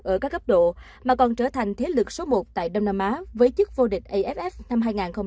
ở các gấp độ mà còn trở thành thế lực số một tại đông nam á với chức vô địch aff năm hai nghìn một mươi tám